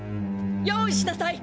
用意しなさい